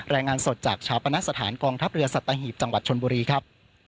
รายงานสดจากชาปณสถานกองทัพเรือสัตหีบจังหวัดชนบุรีครับ